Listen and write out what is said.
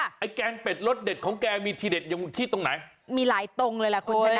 ไอ้แกงเป็ดรสเด็ดของแกมีทีเด็ดอยู่ที่ตรงไหนมีหลายตรงเลยแหละคุณชนะ